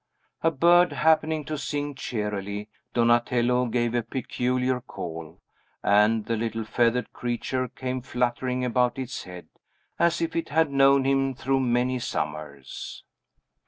A bird happening to sing cheerily, Donatello gave a peculiar call, and the little feathered creature came fluttering about his head, as if it had known him through many summers.